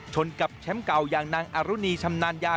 กับแชมป์เก่าอย่างนางอรุณีชำนาญญา